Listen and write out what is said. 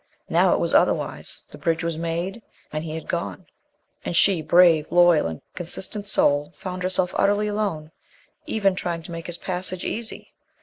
Now it was otherwise. The bridge was made. And he had gone. And she, brave, loyal, and consistent soul, found herself utterly alone, even trying to make his passage easy.